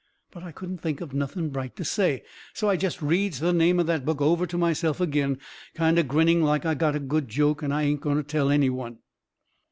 But I couldn't think of nothing bright to say, so I jest reads the name of that book over to myself agin, kind o' grinning like I got a good joke I ain't going to tell any one.